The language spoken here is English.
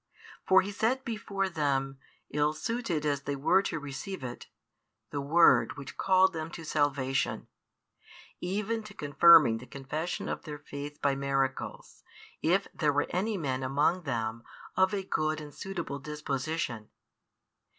For He set before them, ill suited as they were to receive it, the Word which called them to salvation; even to confirming the confession of their faith by miracles, if there were any men among them of a good and suitable disposition.